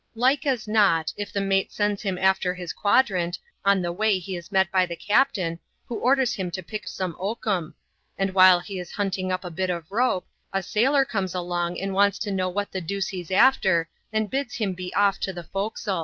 Like as not, if the mate sends him after his quadrant, on the way he is met by the cap tain, who orders him to pick some oakum ; and while he is hunting up a bit of rope, a sailor comes along and wants to know what the deuce he's after, and bids him be off to the forecastle.